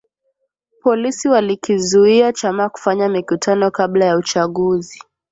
Polisi walikizuia chama kufanya mikutano kabla ya uchaguzi